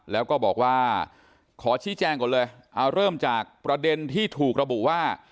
แล้วก็บอกว่าขอชี้แจงก่อนเลยเอาเริ่มจากประเด็นที่ถูกระบุว่า